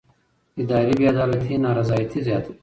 اداري بې عدالتي نارضایتي زیاتوي